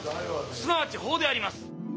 すなわち法であります」。